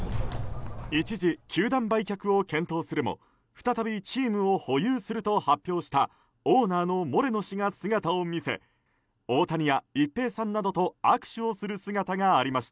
一時、球団売却を検討するも再びチームを保有すると発表したオーナーのモレノ氏が姿を見せ大谷や一平さんなどと握手をする姿がありました。